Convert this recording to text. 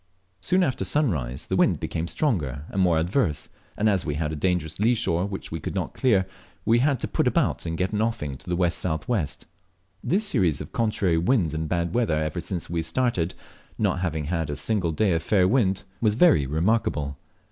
Soon after sunrise the wind became stronger and more adverse, and as we had a dangerous lee shore which we could not clear, we had to put about and get an offing to the W.S.W. This series of contrary winds and bad weather ever since we started, not having had a single day of fair wind, was very remarkable.